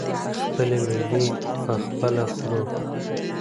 خپلې میوې پخپله خورو.